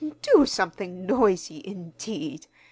"Do something noisy, indeed!"